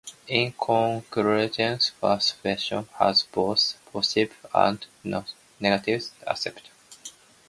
In conclusion, fast fashion has both positive and negative aspects.